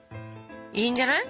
いいんじゃない？